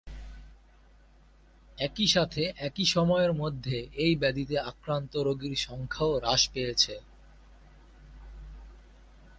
একই সাথে একই সময়ের মধ্যে এই ব্যাধিতে আক্রান্ত রোগীর সংখ্যাও হ্রাস পেয়েছে।